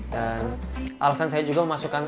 dan alasan saya juga memasukkan eka